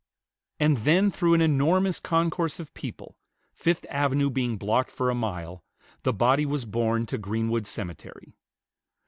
And then through an enormous concourse of people, Fifth Avenue being blocked for a mile, the body was borne to Greenwood Cemetery.